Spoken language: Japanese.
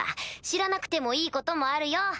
知らなくてもいいこともあるよ。